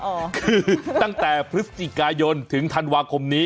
คือตั้งแต่พฤศจิกายนถึงธันวาคมนี้